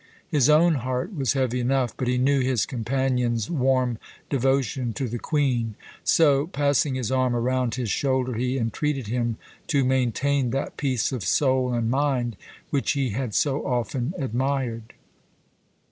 His own heart was heavy enough, but he knew his companion's warm devotion to the Queen; so, passing his arm around his shoulder, he entreated him to maintain that peace of soul and mind which he had so often admired.